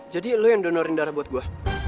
jadi lo yang donorin darah buat gue